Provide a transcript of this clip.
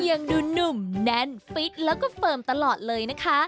ยังดูหนุ่มแน่นฟิตแล้วก็เฟิร์มตลอดเลยนะคะ